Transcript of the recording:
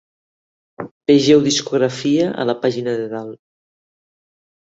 Vegeu 'Discografia' a la pàgina de dalt.